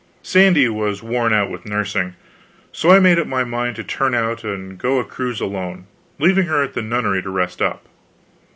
Sandy was worn out with nursing; so I made up my mind to turn out and go a cruise alone, leaving her at the nunnery to rest up.